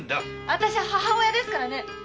あたしは母親ですからね。